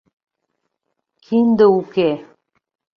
— Кинде уке.